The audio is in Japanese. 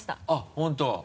あっ本当。